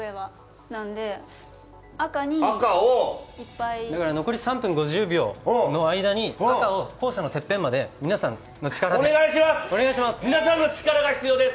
なので、赤にいっぱい残り３分５０秒の間に赤を校舎のてっぺんまで皆さんの力で、お願いします！